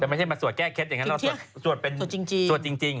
แต่ไม่ใช่มาสวดแก้เคล็ดอย่างนั้นเราสวดเป็นสวดจริง